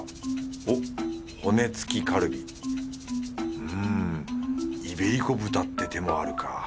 おっ骨付きカルビうんイベリコ豚って手もあるか。